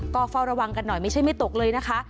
ก็เฝ้าระวังกันหน่อยไม่ใช่ไม่ตกเลยนะคะ